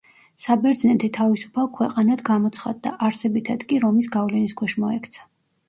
საბერძნეთი „თავისუფალ“ ქვეყანად გამოცხადდა, არსებითად კი რომის გავლენის ქვეშ მოექცა.